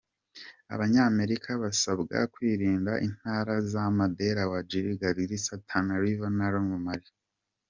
Abanyamerika basabwa kwirinda intara za Mandera, Wajir, Garissa, Tana River, Lamu na Malindi.